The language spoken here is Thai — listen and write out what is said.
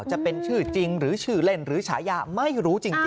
จะเป็นชื่อจริงหรือชื่อเล่นหรือฉายาไม่รู้จริง